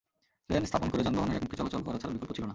Lane স্থাপন করে যানবাহনের একমুখী চলাচল করা ছাড়া বিকল্প ছিল না।